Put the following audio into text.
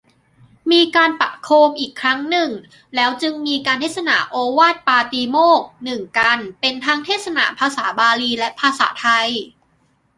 มีการประโคมอีกครั้งหนึ่งแล้วจึงมีการเทศนาโอวาทปาติโมกข์ หนึ่ง กัณฑ์ เป็นทั้งเทศนาภาษาบาลีและภาษาไทย